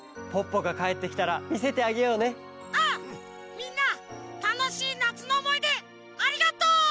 みんなたのしいなつのおもいでありがとう！